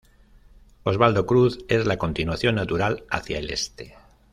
Osvaldo Cruz es la continuación natural hacia el este.